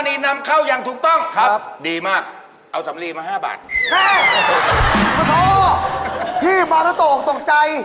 พี่ไม่มาเคลียร์เขาพี่เป็นผู้ใหญ่